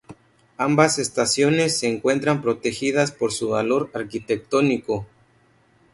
Ambas estaciones se encuentran protegidas por su valor arquitectónico.